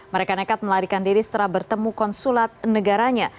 mereka nekat melarikan diri setelah bertemu konsulat negaranya